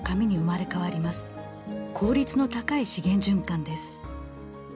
効率の高い資源循環です。